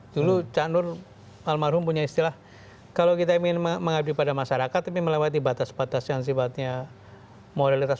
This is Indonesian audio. dulu ca nur almarhum punya istilah kalau kita ingin mengabdi pada masyarakat tapi melewati batas batas yang sifatnya moralitas